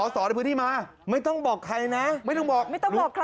สอในพื้นที่มาไม่ต้องบอกใครนะไม่ต้องบอกไม่ต้องบอกใคร